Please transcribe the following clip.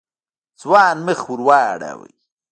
ځوان مخ ور واړاوه.